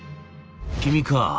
「君か。